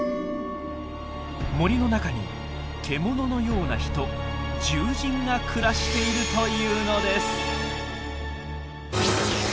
森の中に獣のような人「獣人」が暮らしているというのです。